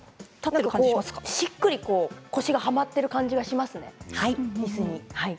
しっくり腰がはまっている感じがしますね。